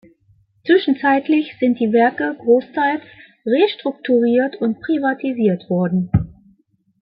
Zwischenzeitlich sind die Werke großteils restrukturiert und privatisiert worden.